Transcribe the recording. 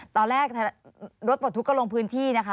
ตอนแรกรถปลดทุกข์ก็ลงพื้นที่นะคะ